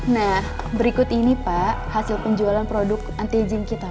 nah berikut ini pak hasil penjualan produk anti aging kita pak